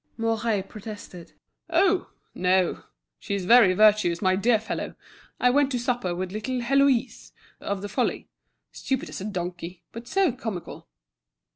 Mouret protested. "Oh! no, she's very virtuous, my dear fellow. I went to supper with little Hélöise, of the Folly. Stupid as a donkey, but So comical!"